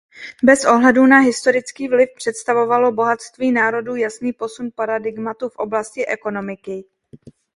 Bez ohledu na historický vliv představovalo "Bohatství národů" jasný posun paradigmatu v oblasti ekonomiky.